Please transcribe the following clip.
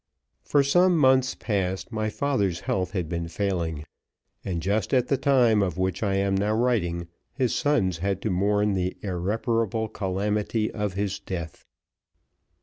For some months past my father's health had been failing, and, just at the time of which I am now writing, his sons had to mourn the irreparable calamity of his death.